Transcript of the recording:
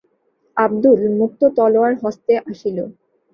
আবদুল মুক্ত তলোয়ার হস্তে আসিল।